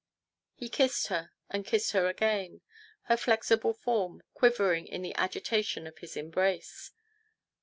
He kissed her and kissed her again, her flexible form quivering in the agitation of his embrace.